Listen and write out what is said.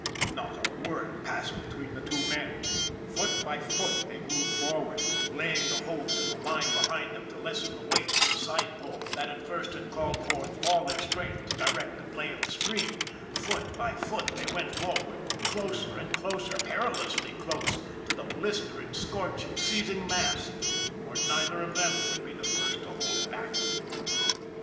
Not a word passed between the two men. Foot by foot they moved forward, laying the hose in a line behind them to lessen the weight and the side pull, that at first had called forth all their strength to direct the play of the stream; foot by foot they went forward, closer and closer, perilously close, to the blistering, scorching, seething mass for neither of them would be the first to hold back.